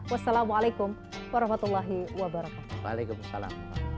wassalamualaikum warahmatullahi wabarakatuh